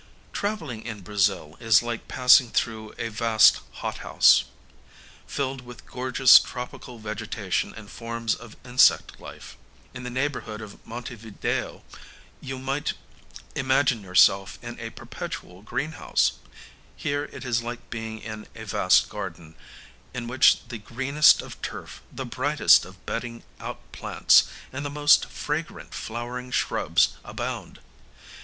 Travelling in Brazil is like passing through a vast hothouse, filled with gorgeous tropical vegetation and forms of insect life. In the neighbourhood of Monte Video you might imagine yourself in a perpetual greenhouse. Here it is like being in a vast garden, in which the greenest of turf, the brightest of bedding out plants, and the most fragrant flowering shrubs abound.